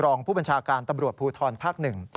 รองผู้บัญชาการตำรวจภูทรภักดิ์๑